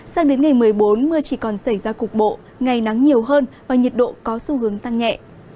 sang đến ngày một mươi bốn mưa chỉ còn xảy ra cục bộ ngày nắng nhiều hơn và nhiệt độ có xu hướng tăng nhẹ